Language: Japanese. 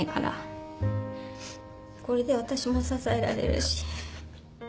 これで私も支えられるし。